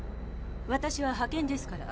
私は派けんですから。